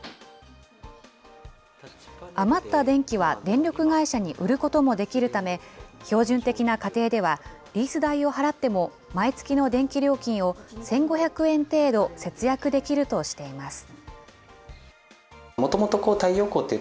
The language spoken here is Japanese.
余った電気は、電力会社に売ることもできるため、標準的な家庭では、リース代を払っても、毎月の電気料金を１５００円程度節約できるとしています。